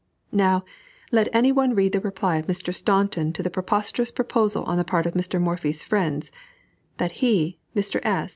Now, let any one read the reply of Mr. Staunton to the preposterous proposal on the part of Mr. Morphy's friends, that he (Mr. S.)